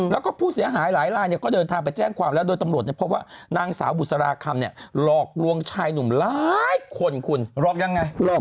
แล้วก็ผู้เสียหายหลายล่าเนี่ยก็เดินทางไปแจ้งความแล้วโดยตำรวจก็พบว่านางสาวบุษระคำเนี่ยรอกลวงชายหนุ่มล้ายคนน์คุณ